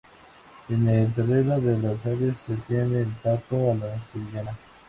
En el terreno de las aves se tiene el pato a la sevillana.